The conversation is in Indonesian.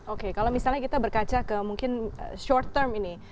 oke kalau misalnya kita berkaca ke mungkin short term ini